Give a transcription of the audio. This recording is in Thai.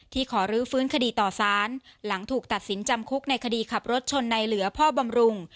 ขอรื้อฟื้นคดีต่อสารหลังถูกตัดสินจำคุกในคดีขับรถชนในเหลือพ่อบำรุง